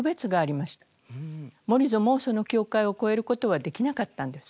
モリゾもその境界を越えることはできなかったんです。